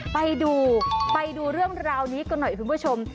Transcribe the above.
ไปดูไปดูเรื่องราวนี้กันหน่อยคุณผู้ชม